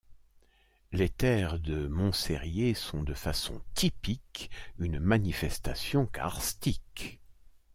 Les terres de Montsérié sont de façon typique une manifestation karstique.